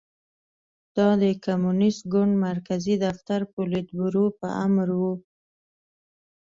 دا د کمونېست ګوند مرکزي دفتر پولیټ بورو په امر و